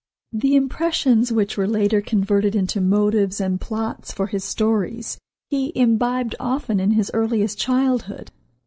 The impressions which were later converted into motives and plots for his stories he imbibed often in his earliest childhood.